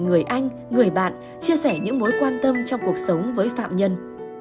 người anh người bạn chia sẻ những mối quan tâm trong cuộc sống với phạm nhân